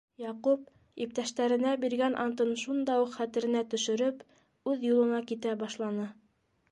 Яҡуп, иптәштәренә биргән антын шунда уҡ хәтеренә төшөрөп, үҙ юлына китә башланы.